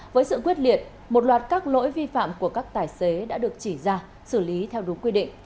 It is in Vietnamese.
với sự quyết liệt một loạt các lỗi vi phạm của các tài xế đã được chỉ ra xử lý theo đúng quy định